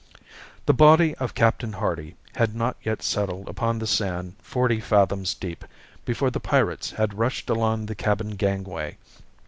The body of Captain Hardy had not yet settled upon the sand forty fathoms deep before the pirates had rushed along the cabin gangway.